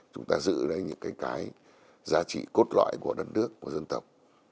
chúng ta giữ đấy những cái giá trị cốt loại của đất nước của dân tộc